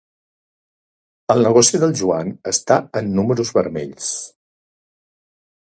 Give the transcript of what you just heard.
El negoci del Joan està en números vermells.